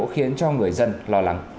khiến cho người dân lo lắng